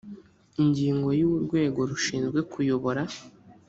ingingo ya urwego rushinzwe kuyobora